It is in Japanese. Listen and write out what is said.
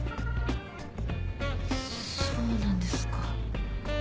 そうなんですか。